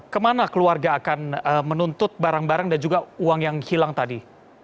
kemana keluarga akan menuntut barang barang dan juga uang yang hilang tadi